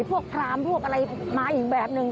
พวกพรามพวกอะไรมาอีกแบบหนึ่ง